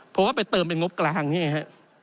เพราะว่าไปเติมเป็นงบกลางนี่ไงฮะ